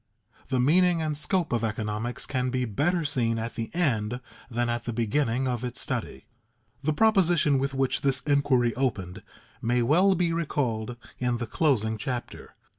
The meaning and scope of economics can be better seen at the end than at the beginning of its study. The proposition with which this inquiry opened may well be recalled in the closing chapter.